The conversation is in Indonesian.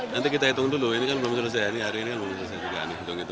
nanti kita hitung dulu ini kan belum selesai hari ini kan belum selesai juga dihitung itu